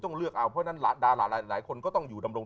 ต้องเลือกเอาเพราะฉะนั้นดาราหลายคนก็ต้องอยู่ดำรง